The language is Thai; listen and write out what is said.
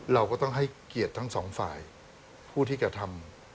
เราก็ต้องให้เกียรติทั้งสองฝ่ายผู้ที่กระทำ